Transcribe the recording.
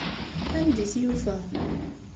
Anda i t-yufa?